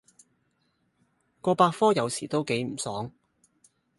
個百科有時都幾唔爽